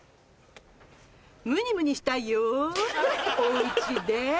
ムニムニしたいよお家で